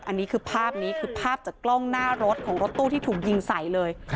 อันนี้คือภาพนี้คือภาพจากกล้องหน้ารถของรถตู้ที่ถูกยิงใส่เลย